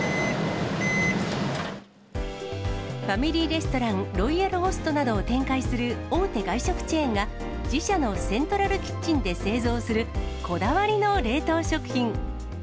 ファミリーレストラン、ロイヤルホストなどを展開する大手外食チェーンが、自社のセントラルキッチンで製造する、こだわりの冷凍食品。